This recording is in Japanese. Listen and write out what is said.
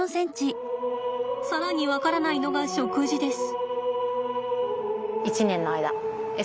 更に分からないのが食事です。